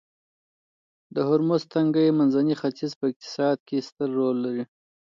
د هرمرز تنګی منځني ختیځ په اقتصاد کې ستر رول لري